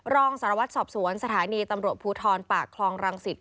รองสารวัตรสอบสวนสถานีตำรวจภูทรปากคลองรังสิต